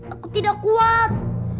aku tidak kuat